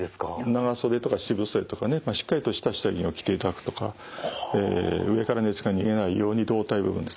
長袖とか七分袖とかねしっかりとした下着を着ていただくとか上から熱が逃げないように胴体部分ですね